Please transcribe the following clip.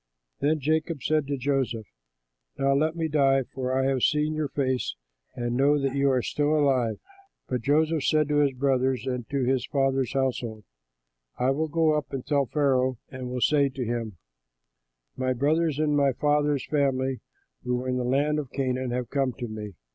Then Jacob said to Joseph, "Now let me die, for I have seen your face and know that you are still alive." But Joseph said to his brothers and to his father's household, "I will go up and tell Pharaoh and will say to him, 'My brothers and my father's family who were in the land of Canaan have come to me.